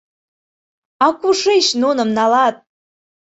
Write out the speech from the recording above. А кушеч нуным налат!